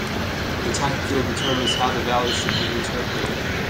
The type field determines how the value field should be interpreted.